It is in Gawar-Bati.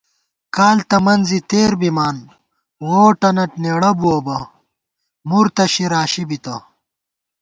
کال تہ منزے تېر بِتِمان ووٹَنہ نېڑہ بُوَہ بہ مُرتَشی راشی بِتہ